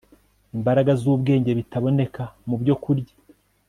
imbaraga zubwenge bitaboneka mu byokurya